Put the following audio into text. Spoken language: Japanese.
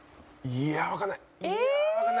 いやわかんないな。